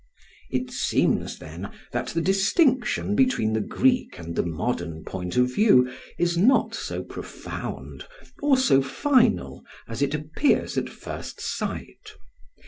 854] It seems then that the distinction between the Greek and the modern point of view is not so profound or so final as it appears at first sight.